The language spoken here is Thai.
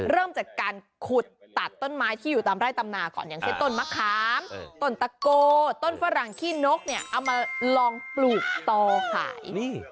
เริ่มจากการขุดตัดต้นไม้ที่อยู่ตามไร่ตำนาก่อนอย่างเช่นต้นมะขามต้นตะโกต้นฝรั่งขี้นกเนี่ยเอามาลองปลูกต่อขาย